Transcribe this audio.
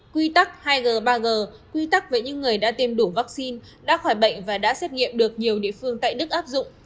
quy tắc hai g ba g quy tắc về những người đã tiêm đủ vaccine đã khỏi bệnh và đã xét nghiệm được nhiều địa phương tại đức áp dụng